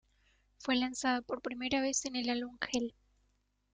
Fue lanzada por primera vez en el álbum Help!